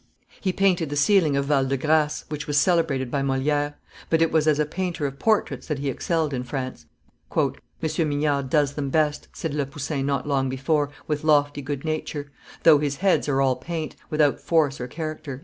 He painted the ceiling of Val de Grace, which was celebrated by Moliere; but it was as a painter of portraits that he excelled in France. "M. Mignard does them best," said Le Poussin not long before, with lofty good nature, "though his heads are all paint, without force or character."